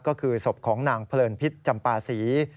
ก็คือศพของนางเพลินพิษจำปาศรี